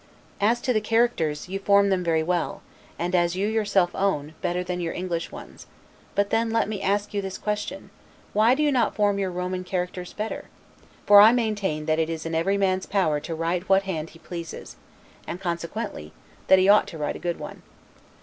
As to the characters, you form them very well, and as you yourself own, better than your English ones; but then let me ask you this question: Why do you not form your Roman characters better? for I maintain, that it is in every man's power to write what hand he pleases; and, consequently, that he ought to write a good one.